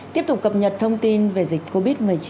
tiếp tục cập nhật thông tin về dịch covid một mươi chín